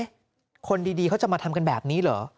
คนดีเขาจะมาทำกันแบบนี้เหรอ